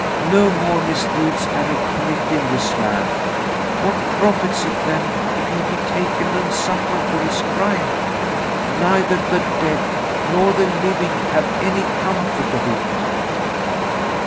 No more misdeeds can he commit in this land. What profits it then if he be taken and suffer for his crime? Neither the dead nor the living have any comfort of it."